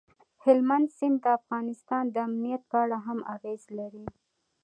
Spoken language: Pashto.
هلمند سیند د افغانستان د امنیت په اړه هم اغېز لري.